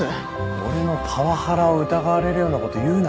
俺のパワハラを疑われるようなこと言うな。